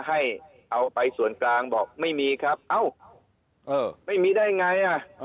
ให้เอาไปส่วนกลางบอกไม่มีครับเอ้าไม่มีได้ไงอ่ะ